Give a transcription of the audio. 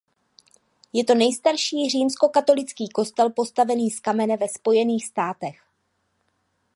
Je to nejstarší římskokatolický kostel postavený z kamene ve Spojených státech.